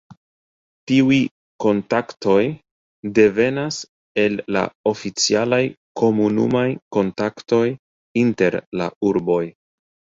Tiuj kontaktoj devenas el la oficialaj komunumaj kontaktoj inter la urboj.